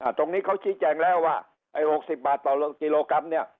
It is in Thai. ตรงนี้เขาชี้แจงแล้วว่าไอ้๖๐บาทต่อกิโลกรัมเนี่ย